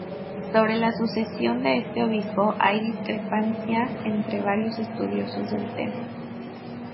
Sobre la sucesión de este obispo hay discrepancias entre varios estudiosos del tema.